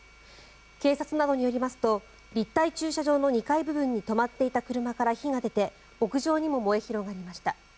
警察などによりますと立体駐車場の２階部分に止まっていた車から火が出て屋上にも燃え広がりました。